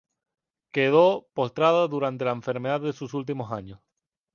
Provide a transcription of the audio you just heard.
Quedó postrada durante la enfermedad de sus últimos años.